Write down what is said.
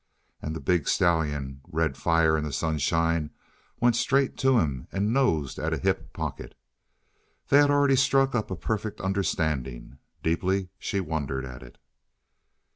And the big stallion, red fire in the sunshine, went straight to him and nosed at a hip pocket. They had already struck up a perfect understanding. Deeply she wondered at it.